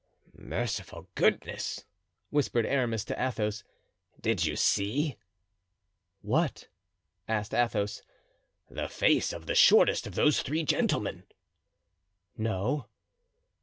"Merciful goodness!" whispered Aramis to Athos, "did you see?" "What?" asked Athos. "The face of the shortest of those three gentlemen?" "No."